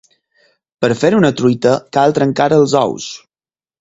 Per fer una truita cal trencar els ous.